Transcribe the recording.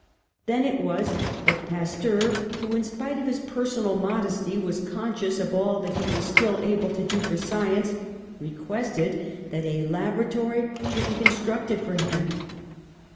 Then it was that Pasteur, who, in spite of his personal modesty, was conscious of all that he was still able to do for science, re quested that a laboratory should be constructed for him.